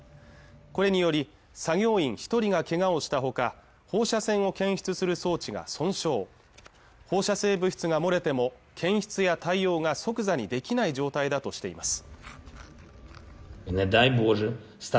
これにより作業員一人がけがをしたほか放射線を検出する装置が損傷放射性物質が漏れても検出や対応が即座にできない状態だとしています